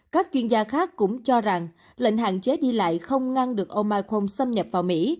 các chuyên gia khác cũng cho rằng lệnh hạn chế đi lại không ngăn được omicron xâm nhập vào mỹ